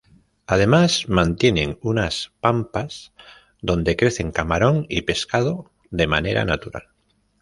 Además mantienen unas "pampas", donde crecen camarón y pescado de manera natural.